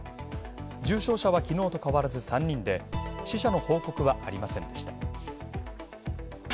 重症者は昨日と変わらず３人で、死者の報告はありませんでした。